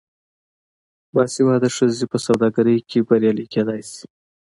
باسواده ښځې په سوداګرۍ کې بریالۍ کیدی شي.